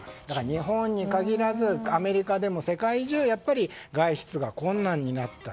日本に限らずアメリカでも世界中外出が困難になった。